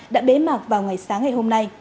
đã bế mạc vào ngày sáng ngày hôm nay